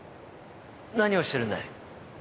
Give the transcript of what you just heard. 何をしてるんだい？